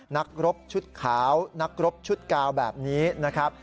นักรบชุดขาวนักรบชุดกาวแบบนี้นะครับ